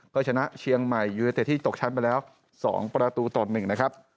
ก็ชนะเชียงใหม่ยูเนเต็ดที่ตกชั้นไปแล้ว๒ประตูต่อ๑นะครับ